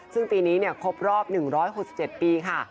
ซึ่งปีนี้ครบรอบ๑๖๗ปีค่ะ